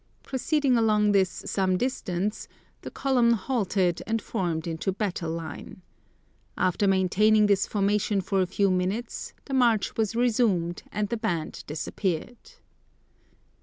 Proceeding along this some distance, the column halted and formed into battle line. After maintaining this formation for a few minutes, the march was resumed and the band disappeared.